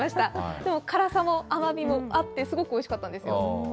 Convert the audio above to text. でも辛さも甘みもあって、すごくおいしかったんですよ。